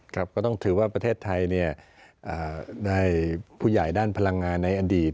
ก็ต้องถือว่าประเทศไทยได้ผู้ใหญ่ด้านพลังงานในอดีต